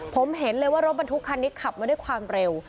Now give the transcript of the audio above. ผมเห็นเลยว่ารถบรรทุกคันนี้ขับมาด้วยความเร็ว